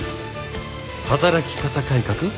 働き方改革？